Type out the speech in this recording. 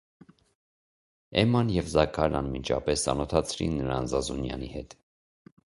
Էմման և Զաքարն անմիջապես ծանոթացրին նրան Զազունյանի հետ: